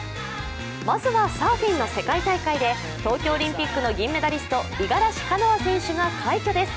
まずはサーフィンの世界大会で東京オリンピックの銀メダリスト五十嵐カノア選手が快挙です。